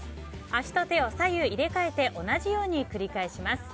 足と手を左右入れ替えて同じように繰り返します。